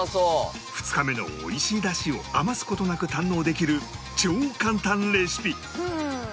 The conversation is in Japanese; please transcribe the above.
２日目の美味しい出汁を余す事なく堪能できる超簡単レシピ